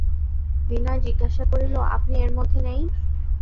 বিনয় জিজ্ঞাসা করিল, আপনি এর মধ্যে নেই?